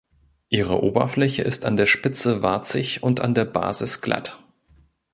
Ihre Oberfläche ist an der Spitze warzig und an der Basis glatt.